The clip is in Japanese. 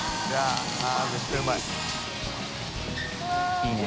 いいね。